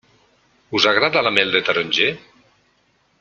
Us agrada la mel de taronger?